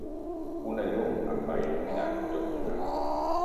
Una llum em va il·luminar tot d'una.